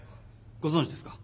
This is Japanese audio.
ご存じですか？